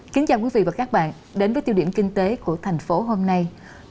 chào mừng quý vị đến với tiêu điểm kinh tế của thành phố hôm nay